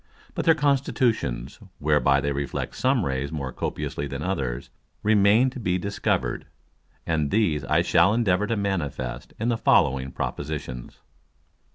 But their Constitutions, whereby they reflect some Rays more copiously than others, remain to be discover'd; and these I shall endeavour to manifest in the following Propositions.